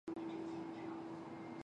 目前家族的掌舵人是其第四代。